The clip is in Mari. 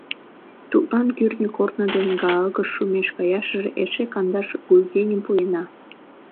Тудлан кӱртньӧ корно дене Гаагыш шумеш каяшыже эше кандаш гульденым пуэна.